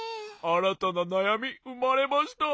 あらたななやみうまれました。